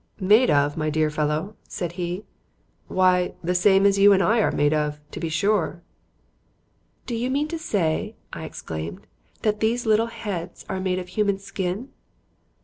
"Made of, my dear fellow?" said he. "Why, the same as you and I are made of, to be sure." "Do you mean to say," I exclaimed, "that these little heads are made of human skin?"